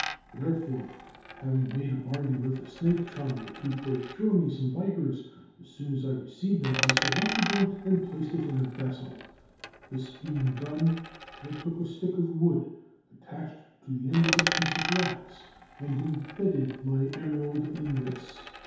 Therefore, having made a bargain with a snake charmer to procure me some vipers, as soon as I received them I selected one and placed it in a vessel. This being done, I took a stick of wood, attached to the end a piece of wax, and embedded my emerald in this.